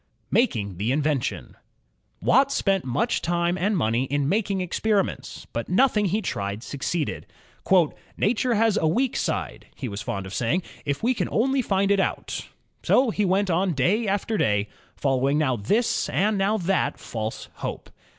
Making the Invention Watt spent much time and money in making experi ments, but nothing he tried succeeded. "Nature has a weak side," he was fond of saying, '4f we can only find it out." So he went on day after day, following now this and now that false hope.